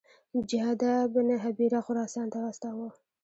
جعده بن هبیره خراسان ته واستاوه.